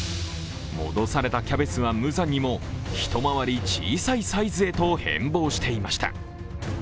戻されたキャベツは無残にも一回り小さいサイズへと変貌していました。